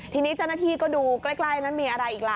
ทีนี้เจ้าหน้าที่ก็ดูใกล้นั้นมีอะไรอีกล่ะ